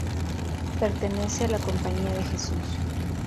Pertenece a la Compañía de Jesús.